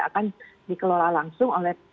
akan dikelola langsung oleh